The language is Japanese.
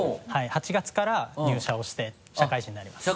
８月から入社をして社会人になります。